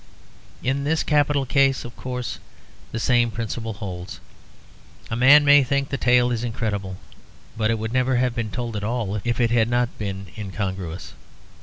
In this capital case, of course, the same principle holds. A man may think the tale is incredible; but it would never have been told at all if it had not been incongruous.